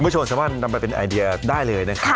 เมื่อโฉงสะวันลำไปเป็นไอเดียได้เลยน่ะค่ะ